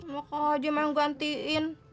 maka aja yang menggantiin